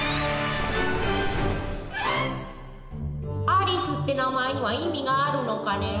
アリスって名前には意味があるのかね？